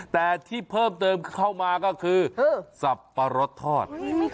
แต่ที่เพิ่มเติมเข้ามาก็คือสับปะรดทอด